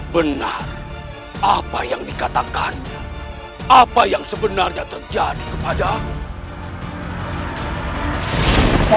benar apa yang dikatakan apa yang sebenarnya terjadi kepadamu